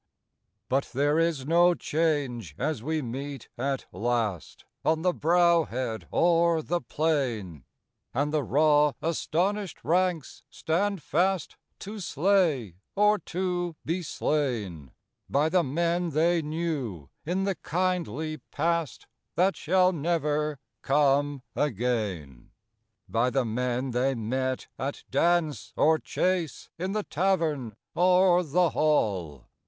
But there is no change as we meet at last On the brow head or the plain, And the raw astonished ranks stand fast To slay or to be slain By the men they knew in the kindly past That shall never come again — By the men they met at dance or chase, In the tavern or the hall.